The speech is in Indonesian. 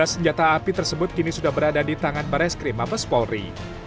dua belas senjata api tersebut kini sudah berada di tangan barai skrim abes polri